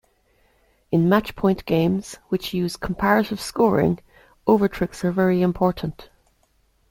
In matchpoint games, which use comparative scoring, overtricks are very important.